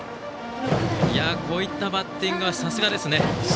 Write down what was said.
こういったバッティングはさすがですね。